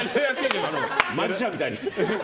マジシャンみたいに。